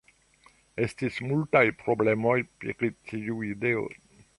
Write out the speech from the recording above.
Estis multaj problemoj pri tiu ideo.